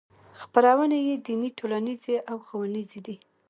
خپرونې یې دیني ټولنیزې او ښوونیزې دي.